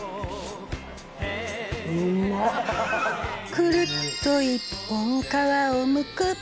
「くるっと１本皮をむく」